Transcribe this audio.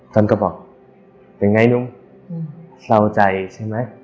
ท่านก็บอกเป็นอย่างไรนุ่มเศร้าใจใช่ไหม